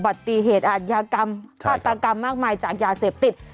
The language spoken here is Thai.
บัตรีเหตุอาหยากรรมศาตรากรรมมากมายจากยาเสพติศ